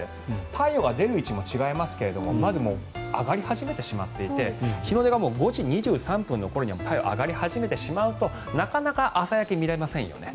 太陽が出る位置も違いますが上がり始めてしまって日の出が５時２３分の頃には太陽が上がり始めてしまうとなかなか朝焼け見られませんよね。